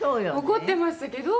怒ってましたけど。